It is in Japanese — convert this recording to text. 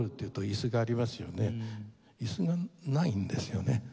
椅子がないんですよね。